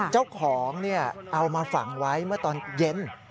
เจ้าของเอามาฝังไว้เมื่อตอนเย็น